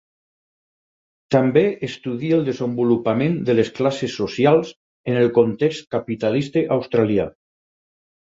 També estudia el desenvolupament de les classes socials en el context capitalista australià.